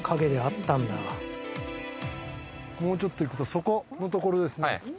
もうちょっと行くとそこの所ですね。